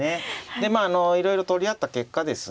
でまあいろいろ取り合った結果ですね